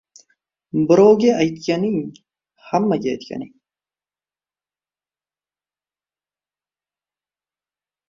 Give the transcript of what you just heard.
Birovga aytganing – hammaga aytganing.